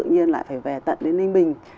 tự nhiên lại phải về tận đến ninh bình